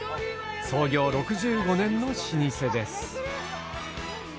創業６５年の老舗です。